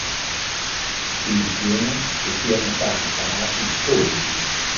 Si ritiene che siano stati sparati colpi.